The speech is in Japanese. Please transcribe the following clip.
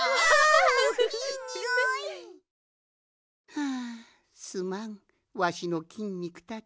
はあすまんわしのきんにくたち。